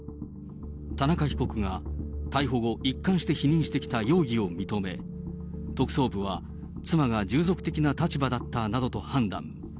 田中被告が、逮捕後、一貫して否認してきた容疑を認め、特捜部は妻が従属的な立場だったなどと判断。